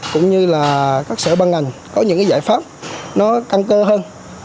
cũng như là các sở ban ngành có những cái giải pháp nó căng cơ hơn